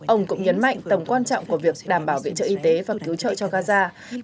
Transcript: ông cũng nhấn mạnh tầm quan trọng của việc đảm bảo viện trợ y tế và cứu trợ cho gaza